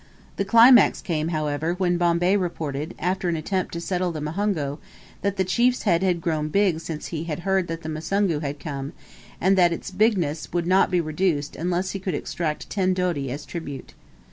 The climax came, however, when Bombay reported, after an attempt to settle the Muhongo, that the chief's head had grown big since he heard that the Musungu had come, and that its "bigness" could not be reduced unless he could extract ten doti as tribute.